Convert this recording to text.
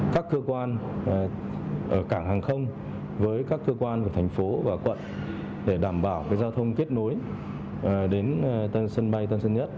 các cơ quan cảng hàng không với các cơ quan của thành phố và quận để đảm bảo giao thông kết nối đến sân bay tân sơn nhất